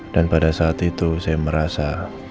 pada saat itu saya merasa